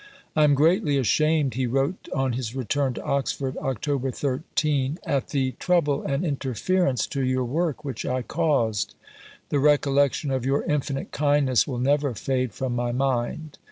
"I am greatly ashamed," he wrote on his return to Oxford (Oct. 13), "at the trouble and interference to your work which I caused. The recollection of your infinite kindness will never fade from my mind."